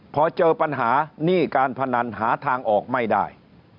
พอเจอปัญหาหนี้การพนันหาทางออกไม่ได้